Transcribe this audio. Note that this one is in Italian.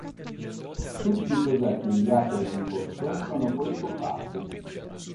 Tutti i progetti inviati al concorso sono poi scomparsi.